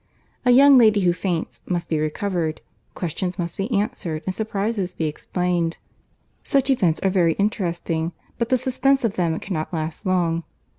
A young lady who faints, must be recovered; questions must be answered, and surprizes be explained. Such events are very interesting, but the suspense of them cannot last long.